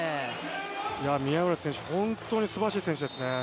宮浦選手、本当にすばらしい選手ですね。